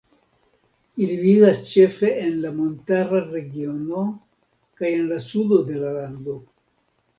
Ili vivas ĉefe en la montara regiono kaj en sudo de la lando.